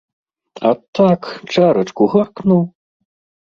А так, чарачку гакнуў!